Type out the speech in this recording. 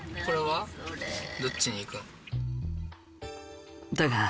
これはどっちに行くん？